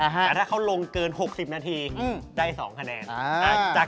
แต่ถ้าเขาลงเกิน๖๐นาทีได้๒คะแนน